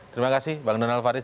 terima kasih pak ndana alfaris